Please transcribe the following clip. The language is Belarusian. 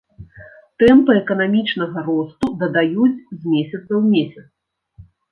Тэмпы эканамічнага росту дадаюць з месяца ў месяц.